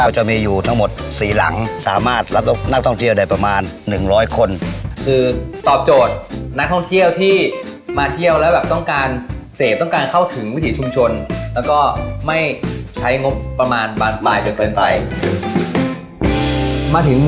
เฉยเข้าถึงวิธีชุมชนและก็ไม่ใช้งบประมาณบานมายอยู่เกินไปพอมาถึง